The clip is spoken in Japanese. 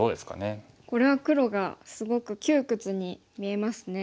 これは黒がすごく窮屈に見えますね。